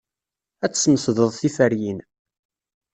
Ad tesmesdeḍ tiferyin.